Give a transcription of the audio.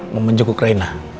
mau menjenguk rena